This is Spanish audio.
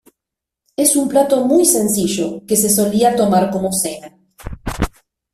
Es un plato muy sencillo que se solía tomar como cena.